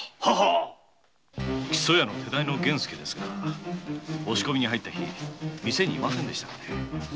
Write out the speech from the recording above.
木曽屋の手代の源助ですが押し込みの日店にいませんでしたかね？